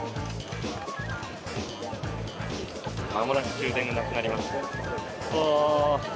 まもなく終電がなくなります。